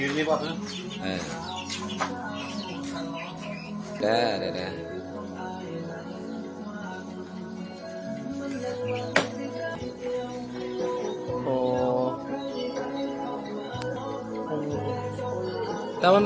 สวัสดีครับตอนนี้บ้านชีวิตสวัสดีครับ